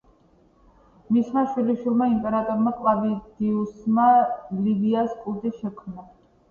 მისმა შვილიშვილმა, იმპერატორმა კლავდიუსმა ლივიას კულტი შექმნა.